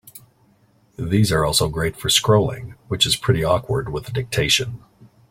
These are also great for scrolling, which is pretty awkward with dictation.